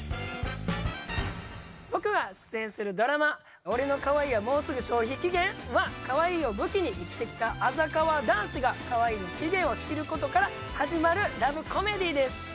僕が出演するドラマ『俺の可愛いはもうすぐ消費期限！？』はかわいいを武器に生きてきたあざかわ男子がかわいいの期限を知る事から始まるラブコメディーです。